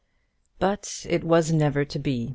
But it was never to be!